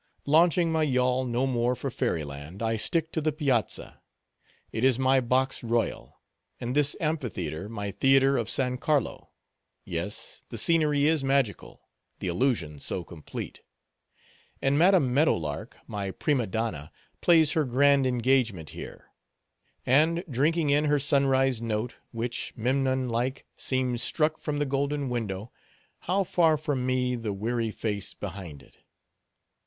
Launching my yawl no more for fairy land, I stick to the piazza. It is my box royal; and this amphitheatre, my theatre of San Carlo. Yes, the scenery is magical—the illusion so complete. And Madam Meadow Lark, my prima donna, plays her grand engagement here; and, drinking in her sunrise note, which, Memnon like, seems struck from the golden window, how far from me the weary face behind it.